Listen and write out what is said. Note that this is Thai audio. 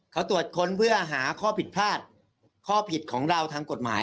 เขาตรวจค้นเพื่อหาข้อผิดพลาดข้อผิดของเราทางกฎหมาย